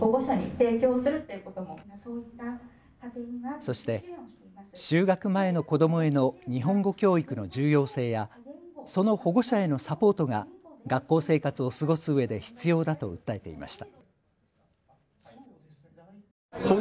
そして就学前の子どもへの日本語教育の重要性やその保護者へのサポートが学校生活を過ごすうえで必要だと訴えていました。